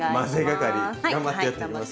頑張ってやっていきますよ。